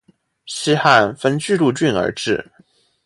西汉分钜鹿郡而置。